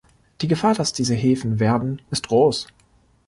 Die Gefahr, dass diese Häfen werden, ist groß.